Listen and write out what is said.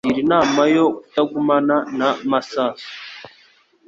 Ndakugira inama yo kutagumana na Masasu